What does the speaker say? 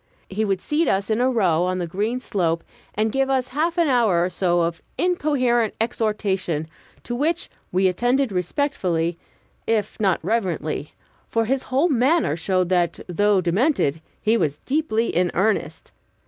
He would seat us in a row on the green slope, and give us a half hour or so of incoherent exhortation, to which we attended respectfully, if not reverently; for his whole manner showed that, though demented, he was deeply in earnest.